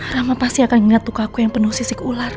rama pasti akan ngeliat tukangku yang penuh sisik ular